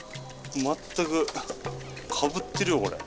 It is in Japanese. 全くかぶってるよこれ。